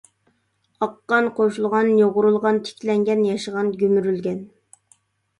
ئاققان، قوشۇلغان، يۇغۇرۇلغان، تىكلەنگەن، ياشىغان، گۈمۈرۈلگەن.